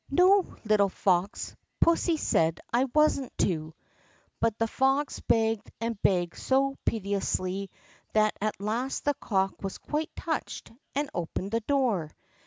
"No, little fox! Pussy said I wasn't to." But the fox begged and begged so piteously that at last the cock was quite touched, and opened the door.